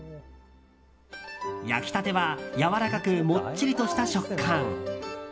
焼きたてはやわらかくもっちりとした食感。